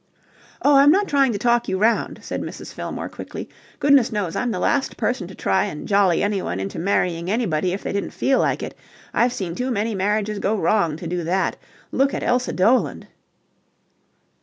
"Oh, I'm not trying to talk you round," said Mrs. Fillmore quickly. "Goodness knows, I'm the last person to try and jolly anyone into marrying anybody if they didn't feel like it. I've seen too many marriages go wrong to do that. Look at Elsa Doland."